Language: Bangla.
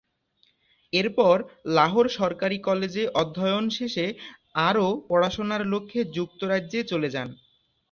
এরপর লাহোর সরকারি কলেজে অধ্যয়ন শেষে আরও পড়াশোনার লক্ষ্যে যুক্তরাজ্যে চলে যান।